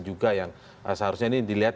juga yang seharusnya ini dilihat